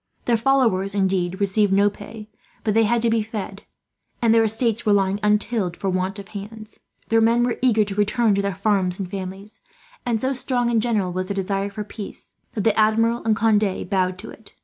Their followers, indeed, received no pay; but they had to be fed, and their estates were lying untilled for want of hands. Their men were eager to return to their farms and families, and so strong and general was the desire for peace that the Admiral and Conde bowed to it.